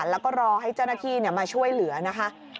แล้วก็รอให้เจ้าหน้าที่มาช่วยเหลือนะคะ